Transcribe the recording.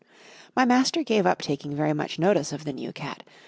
My master gave up taking very much notice of the new cat.